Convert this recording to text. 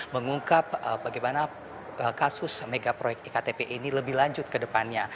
mengungkap bagaimana kasus megaproyek iktp ini lebih lanjut kedepannya